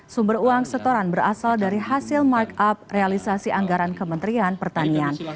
sumber uang setoran berasal dari hasil markup realisasi anggaran kementerian pertanian